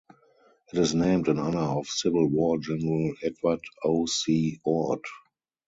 It is named in honor of Civil War general Edward O. C. Ord.